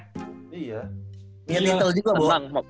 punya little juga bo